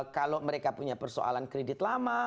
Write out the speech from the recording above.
kalau mereka punya persoalan kredit lama